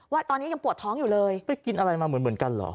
ว่าตอนนี้ยังปวดท้องอยู่เลยไปกินอะไรมาเหมือนเหมือนกันเหรอ